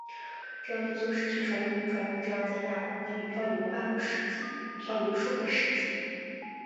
这样一艘失去船员的船就这样在亚空间里飘流数个世纪。